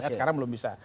sekarang belum bisa